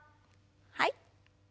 はい。